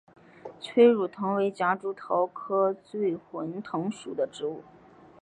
催乳藤为夹竹桃科醉魂藤属的植物。